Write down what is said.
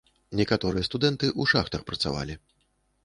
Некаторыя студэнты ў шахтах працавалі.